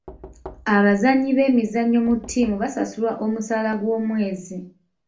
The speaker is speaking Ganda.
Abazannyi b'emizannyo mu ttiimu basasulwa omusaala gw'omwezi.